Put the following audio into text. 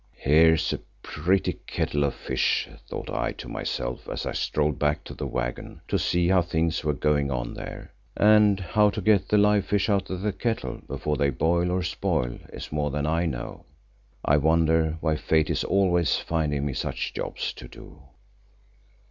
Here's a pretty kettle of fish, thought I to myself as I strolled back to the waggon to see how things were going on there, and how to get the live fish out of the kettle before they boil or spoil is more than I know. I wonder why fate is always finding me such jobs to do.